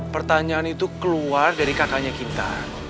pertanyaan itu keluar dari kakaknya kita